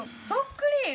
そっくり。